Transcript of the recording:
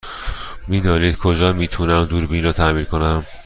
می دانید کجا می تونم دوربینم را تعمیر کنم؟